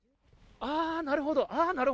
ああ、なるほど。